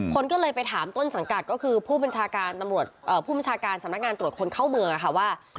คนก็เลยไปถามต้นสังกัดก็คือผู้บัญชาการสำนักงานตรวจคนเข้าเมือค่ะว่า